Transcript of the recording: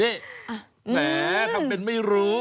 นี่แหละทำเป็นไม่รู้